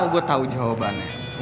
gue tau jawabannya